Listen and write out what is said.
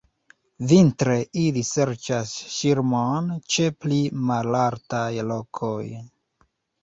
Vintre ili serĉas ŝirmon ĉe pli malaltaj lokoj.